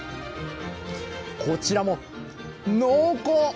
こちらも濃厚！